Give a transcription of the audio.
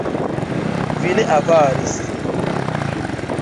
Vi ne avaris!